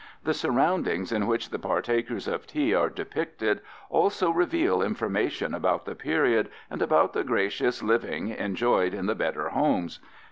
The surroundings in which the partakers of tea are depicted also reveal information about the period and about the gracious living enjoyed in the better homes.